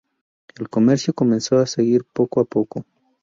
El comercio comenzó a surgir poco a poco.